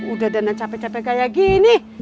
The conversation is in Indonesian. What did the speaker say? udah dana capek capek kayak gini